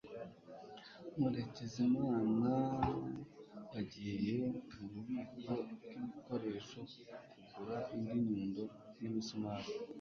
Murekezimana yagiye mububiko bwibikoresho kugura indi nyundo n imisumari